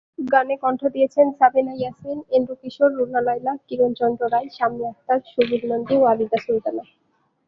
গানে কণ্ঠ দিয়েছেন সাবিনা ইয়াসমিন, এন্ড্রু কিশোর, রুনা লায়লা, কিরণ চন্দ্র রায়, শাম্মী আখতার, সুবীর নন্দী ও আবিদা সুলতানা।